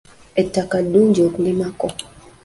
Ettaka ddungi okulima ko.